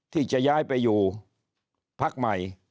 ที่จะย้ายไปอยู่พักใหม่